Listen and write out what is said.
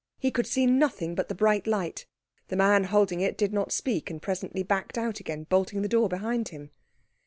He could see nothing but the bright light. The man holding it did not speak, and presently backed out again, bolting the door behind him.